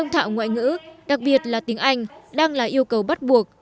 tạo ngoại ngữ đặc biệt là tiếng anh đang là yêu cầu bắt buộc